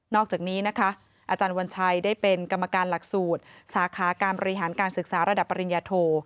อกจากนี้นะคะอาจารย์วัญชัยได้เป็นกรรมการหลักสูตรสาขาการบริหารการศึกษาระดับปริญญาโท